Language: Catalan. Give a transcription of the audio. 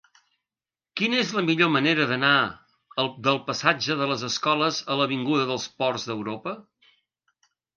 Quina és la millor manera d'anar del passatge de les Escoles a l'avinguda dels Ports d'Europa?